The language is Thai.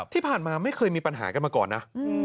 ที่ผ่านมาไม่เคยมีปัญหากันมาก่อนนะ